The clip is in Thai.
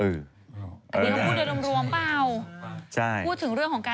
พูดถึงเรื่องของการทำงานทั้งหมดหรือเปล่าง